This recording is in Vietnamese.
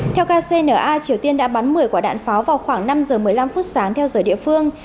theo kcna triều tiên đã bắn một mươi quả đạn pháo vào khoảng năm giờ một mươi năm phút sáng theo giờ địa phương